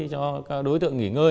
cho đối tượng nghỉ ngơi